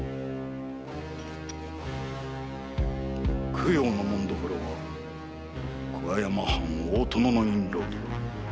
九曜の紋所は桑山藩大殿の印籠だ。